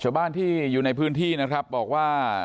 ชาวบ้านที่อยู่ในพื้นที่นะครับบอกว่า